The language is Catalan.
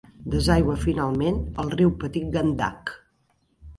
Desaigua finalment al riu Petit Gandak.